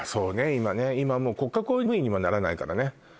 今ね今もう国家公務員にもならないからね